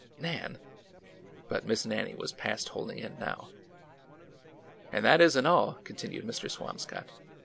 '' Nan !" But Miss Nannie was past holding in now. '' And that is n't all," continued Mr. Swamscott.